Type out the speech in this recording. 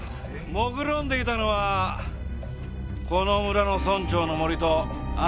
もくろんでいたのはこの村の村長の森と浅木だ。